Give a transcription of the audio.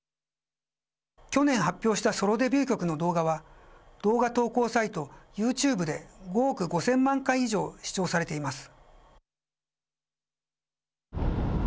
去年発表したソロデビュー曲の動画は動画投稿サイト、ユーチューブで５億５０００万回以上視聴されています。